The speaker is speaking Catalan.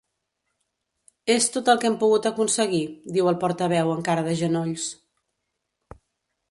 És tot el que hem pogut aconseguir —diu el portaveu, encara de genolls.